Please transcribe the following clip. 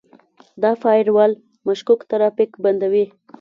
دا فایروال مشکوک ترافیک بندوي.